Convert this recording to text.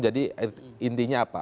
jadi intinya apa